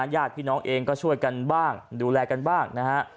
ญาติพี่น้องเองก็ช่วยกันบ้างดูแลกันบ้างนะฮะ